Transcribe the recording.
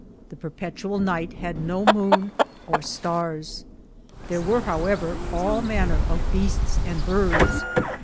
The perpetual night had no moon or stars. There were, however, all manner of beasts and birds.